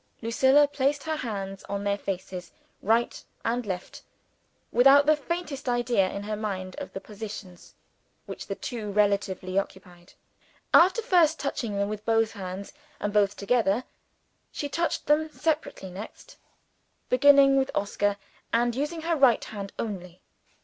Lucilla placed her hands on their faces, right and left, without the faintest idea in her mind of the positions which the two relatively occupied. After first touching them with both hands, and both together, she tried them separately next, beginning with Oscar, and using her right hand only.